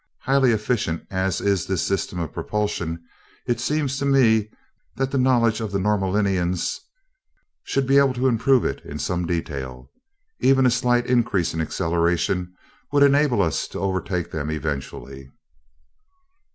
Highly efficient as is this system of propulsion, it seems to me that the knowledge of the Norlaminians should be able to improve it in some detail. Even a slight increase in acceleration would enable us to overtake them eventually."